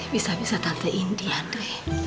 bisa bisa tante indi andre